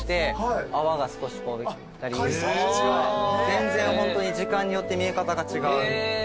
全然ホントに時間によって見え方が違う。